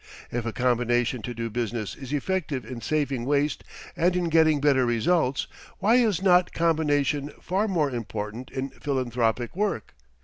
If a combination to do business is effective in saving waste and in getting better results, why is not combination far more important in philanthropic work?